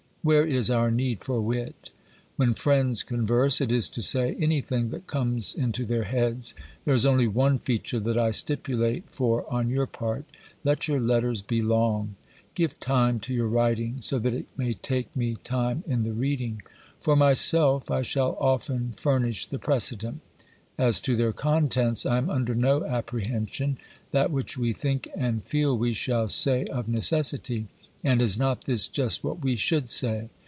Where is our need for wit ? When friends converse, it is to say anything that comes into their heads. There is only one feature that I stipulate for on your part : let your letters be long ; give time to your writing, so that it may take me time in the reading. For myself I shall often furnish the precedent. As to their contents, I am under no appre hension ; that which we think and feel we shall say of necessity, and is not this just what we should say?